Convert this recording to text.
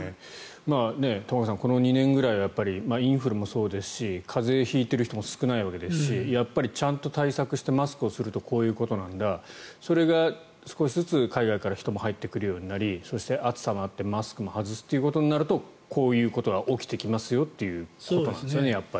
玉川さん、２年ぐらいはインフルもそうですし風邪を引いてる人も少ないわけですしやっぱりちゃんと対策してマスクをするとこういうことなんだそれが少しずつ海外から人も入ってくるようになりそして、暑さもあってマスクを外すということになるとこういうことが起きてしまうよということなんですね。